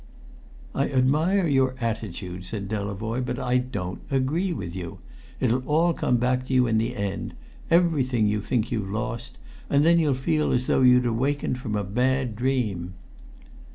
"I admire your attitude," said Delavoye, "but I don't agree with you. It'll all come back to you in the end everything you think you've lost and then you'll feel as though you'd awakened from a bad dream."